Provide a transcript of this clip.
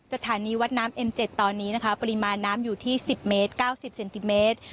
สถานีวัดน้ำเอ็มเจ็ดตอนนี้นะคะปริมาณน้ำอยู่ที่สิบเมตรเก้าสิบเซ็นติเมตร